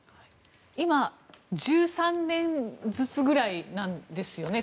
今、１３年ずつぐらいなんですよね。